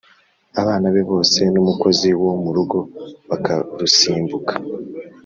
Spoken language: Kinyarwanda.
abana be bose n'umukozi wo mu rugo bakarusimbuka